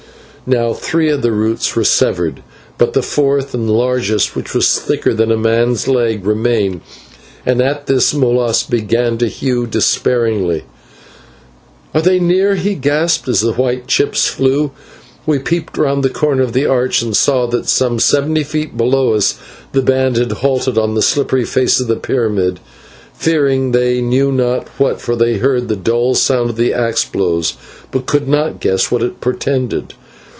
Now three of the roots were severed, but the fourth and largest, which was thicker than a man's leg, remained, and at this Molas began to hew despairingly. "Are they near?" he gasped, as the white chips flew. We peeped round the corner of the arch and saw that some seventy feet below us the band had halted on the slippery face of the pyramid, fearing they knew not what, for they heard the dull sound of the axe blows, but could not guess what it portended.